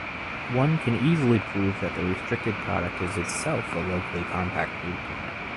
One can easily prove that the restricted product is itself a locally compact group.